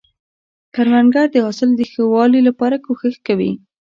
کروندګر د حاصل ښه والي لپاره کوښښ کوي